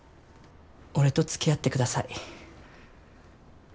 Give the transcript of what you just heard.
俺とつきあってください。